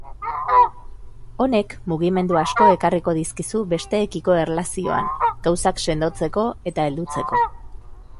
Honek mugimendu asko ekarriko dizkizu besteekiko erlazioan, gauzak sendotzeko eta heldutzeko.